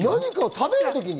食べる時に？